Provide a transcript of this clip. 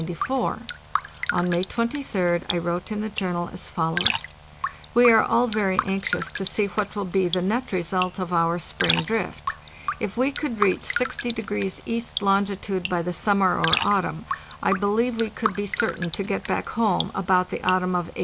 On May 23d I wrote in the Journal as follows: '' We are all very anxious to see what will be the net result of our spring drift. If we could reach 60° east longitude by the sum mer or autumn, I believe we could be certain to get back home about the autumn of 1896.